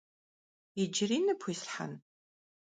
Yicıri nıpxuislhhen?